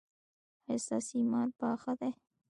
ایا ستاسو ایمان پاخه دی؟